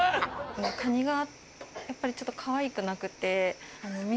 蟹がやっぱりちょっと可愛くなくて。